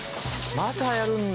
またやるんだ。